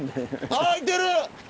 あいてる！